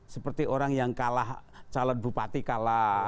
seperti orang yang kalah calon bupati kalah